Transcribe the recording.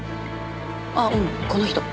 あっうんこの人。